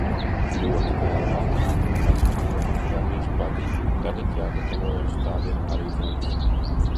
Ļoti vēlu vakarā tik paskatījos un gandrīz paģību. Tagad jāgatavojas tādiem arī mums.